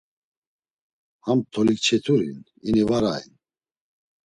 Ham Tolikçeturin ini var ayen.